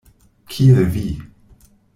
Kiel vi?